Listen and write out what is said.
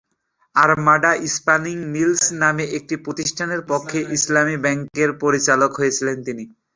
Armada spinning mills নামে একটি প্রতিষ্ঠানের পক্ষে ইসলামী ব্যাংকের পরিচালক হয়েছেন তিনি।